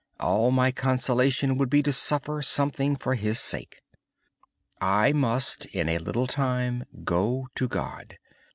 My only consolation would be to suffer something for His sake. I must, in a little time, go to God.